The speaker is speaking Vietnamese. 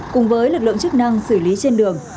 cùng với lực lượng chức năng xử lý trên đường